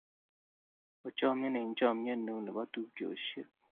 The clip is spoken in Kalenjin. Ochamnye eng'chamnyet ne u ne bo tupchosiek.